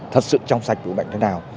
thật sự trong sạch vụ bệnh thế nào